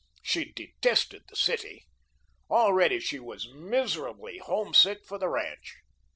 She detested the city. Already she was miserably homesick for the ranch.